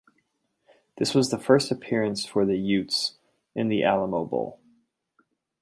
This was the first appearance for the Utes in the Alamo Bowl.